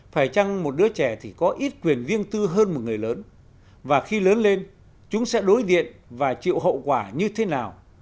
phải chăng một đứa trẻ thì có ít quyền riêng tư hơn một người lớn và khi lớn lên chúng sẽ đối diện và chịu hậu quả như thế nào